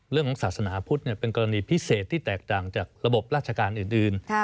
เรื่องของศาสนาพุทธเป็นกรณีพิเศษที่แตกต่างจากระบบราชการอื่น